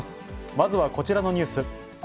まずはこちらのニュース。